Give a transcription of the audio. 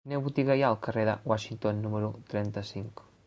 Quina botiga hi ha al carrer de Washington número trenta-cinc?